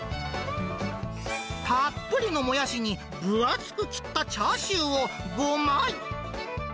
たっぷりのもやしに、分厚く切ったチャーシューを５枚。